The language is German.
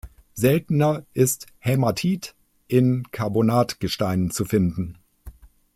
Seltener ist Hämatit in Karbonatgesteinen zu finden.